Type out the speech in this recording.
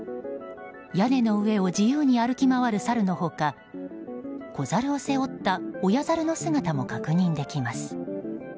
屋根の上を自由に歩き回るサルの他子ザルを背負った親ザルの姿も確認できます。